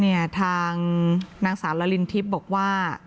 นี่ทางนางสาวละลินทิศบอกว่า